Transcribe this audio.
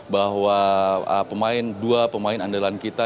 bahwa dua pemain andalan kita